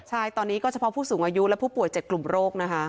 ใช่ตอนนี้ก็เฉพาะผู้สูงอายุและผู้ป่วย๗กลุ่มโรคนะคะ